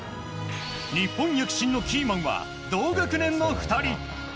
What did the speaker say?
日本躍進のキーマンは同学年の２人。